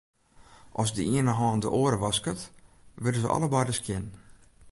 As de iene hân de oar wasket, wurde se allebeide skjin.